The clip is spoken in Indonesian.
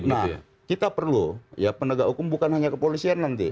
nah kita perlu ya penegak hukum bukan hanya kepolisian nanti